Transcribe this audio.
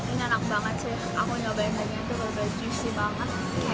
ini enak banget sih aku nyobain dagingnya itu berbeku juicy banget